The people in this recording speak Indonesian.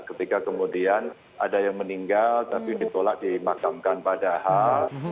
ketika kemudian ada yang meninggal tapi ditolak dimakamkan padahal